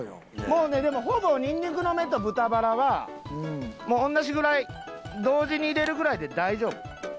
もうねでもほぼニンニクの芽と豚バラは同じぐらい同時に入れるぐらいで大丈夫。